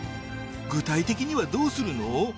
具体的にはどうするの？